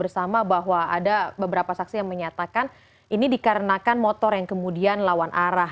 bersama bahwa ada beberapa saksi yang menyatakan ini dikarenakan motor yang kemudian lawan arah